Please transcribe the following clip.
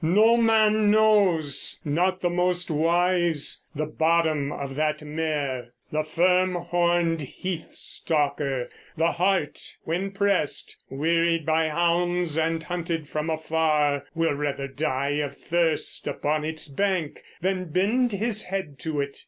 No man knows, Not the most wise, the bottom of that mere. The firm horned heath stalker, the hart, when pressed, Wearied by hounds, and hunted from afar, Will rather die of thirst upon its bank Than bend his head to it.